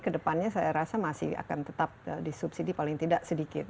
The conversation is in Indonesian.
kedepannya saya rasa masih akan tetap disubsidi paling tidak sedikit